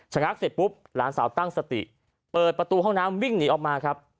งักเสร็จปุ๊บหลานสาวตั้งสติเปิดประตูห้องน้ำวิ่งหนีออกมาครับ